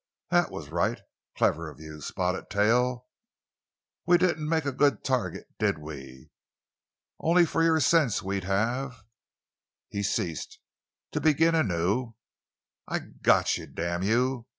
That was right clever of you, Spotted Tail—we didn't make a good target, did we? Only for your sense we'd have—" He ceased, to begin anew: "I've got you—damn you!"